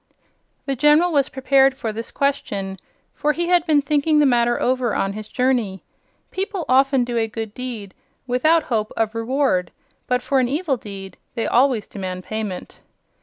The General was prepared for this question, for he had been thinking the matter over on his journey. People often do a good deed without hope of reward, but for an evil deed they always demand payment.